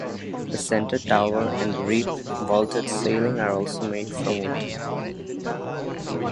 The center tower and the rib vaulted ceiling are also made from wood.